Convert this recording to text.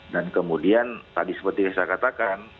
dan kemudian tadi seperti saya katakan